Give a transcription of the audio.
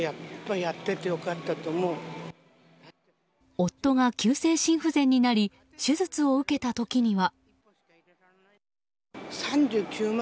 夫が急性心不全になり手術を受けた時には。